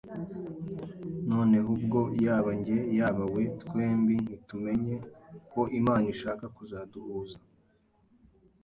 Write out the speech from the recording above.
Noneho ubwo yaba njye yaba we, twembi ntitumenye ko Imana ishaka kuzaduhuza